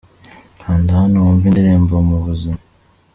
Kanda hano wumve indirimbo Mu buzima.